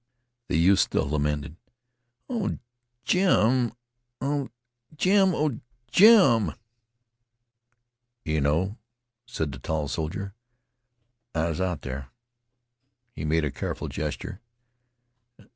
The youth still lamented. "Oh, Jim oh, Jim oh, Jim " "Yeh know," said the tall soldier, "I was out there." He made a careful gesture.